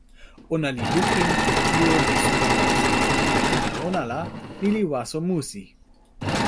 ona li lukin e ijo lon supa monsi. pilin ona la, ni li waso musi!